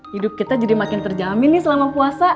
hidup kita jadi makin terjamin nih selama puasa